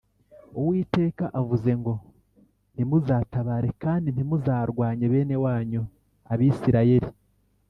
‘Uwiteka avuze ngo: Ntimuzatabare kandi ntimuzarwanye bene wanyu Abisirayeli